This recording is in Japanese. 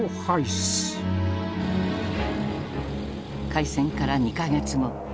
開戦から２か月後。